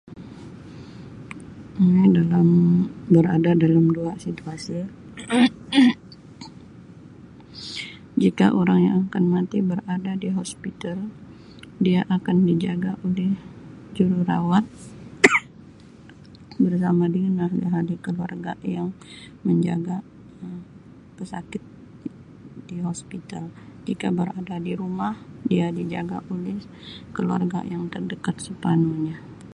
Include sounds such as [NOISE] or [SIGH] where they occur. Ini dalam berada dalam dua situasi [COUGHS] jika orang yang akan mati berada di hospital dia akan dijaga oleh Jururawat [COUGHS] bersama dengan ahli-ahli keluarga yang menjaga Um pesakit di hospital jika berada di rumah dia dijaga oleh keluarga yang terdekat sepanuhnya.